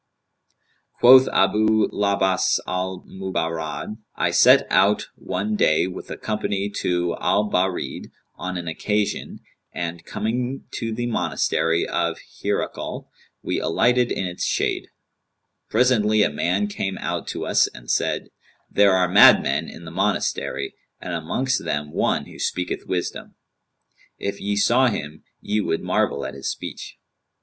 Quoth Abu 'l Abbαs al Mubarrad,[FN#198] "I set out one day with a company to Al Bαrid on an occasion and, coming to the monastery of Hirakl,[FN#199] we alighted in its shade. Presently a man came out to us and said, 'There are madmen in the monastery,[FN#200] and amongst them one who speaketh wisdom; if ye saw him, ye would marvel at his speech.'